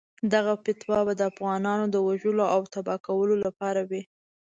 دغه فتوا به د افغانانو د وژلو او تباه کولو لپاره وي.